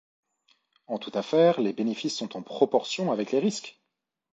En toute affaire, les bénéfices sont en proportion avec les risques!